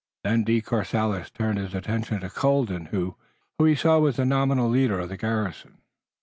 Then De Courcelles turned his attention to Colden, who he saw was the nominal leader of the garrison.